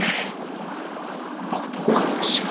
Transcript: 僕ボーカルですよ。